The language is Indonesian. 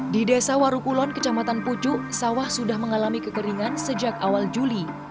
di desa warukulon kecamatan pucuk sawah sudah mengalami kekeringan sejak awal juli